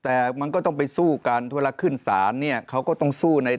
แต่มันก็ต้องไปสู้กันธุระละขึ้นศาลเขาก็ต้องสู้